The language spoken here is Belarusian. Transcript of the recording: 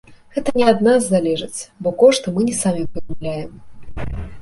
Гэта не ад нас залежыць, бо кошты мы не самі прыдумляем.